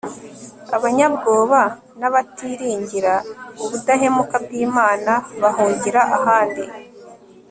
abanyabwoba n'abatiringira ubudahemuka bw'imana bahungira ahandi